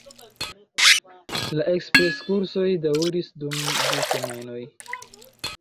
La ekspres-kursoj daŭris dum du semajnoj.